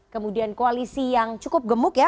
kemudian koalisi yang cukup gemuk ya